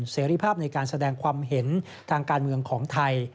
เสรีภาพในการแสดงความเห็นทางการเมืองของไทย